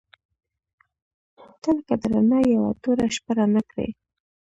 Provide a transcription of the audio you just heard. • ته لکه د رڼا یوه توره شپه رڼا کړې.